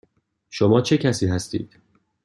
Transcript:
شما چه کسی هستید؟